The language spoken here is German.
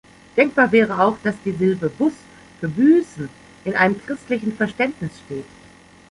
Denkbar wäre auch, dass die Silbe "bus" für „Büßen“ in einem christlichen Verständnis steht.